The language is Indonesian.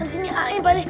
disini air pade